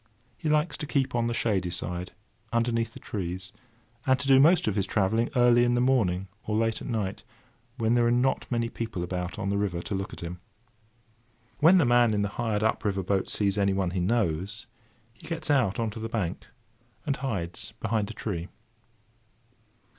He likes to keep on the shady side, underneath the trees, and to do most of his travelling early in the morning or late at night, when there are not many people about on the river to look at him. When the man in the hired up river boat sees anyone he knows, he gets out on to the bank, and hides behind a tree.